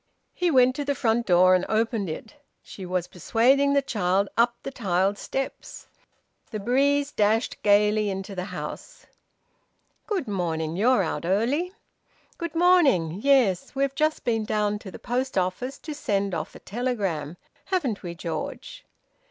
He went to the front door and opened it. She was persuading the child up the tiled steps. The breeze dashed gaily into the house. "Good morning. You're out early." "Good morning. Yes. We've just been down to the post office to send off a telegram, haven't we, George?"